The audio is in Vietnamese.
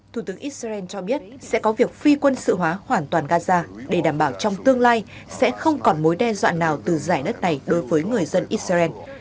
thủ tướng israel cho biết sẽ có việc phi quân sự hóa hoàn toàn gaza để đảm bảo trong tương lai sẽ không còn mối đe dọa nào từ giải đất này đối với người dân israel